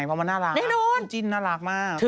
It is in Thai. เพราะมันน่ารักแน่นอนจิ้นน่ารักมาก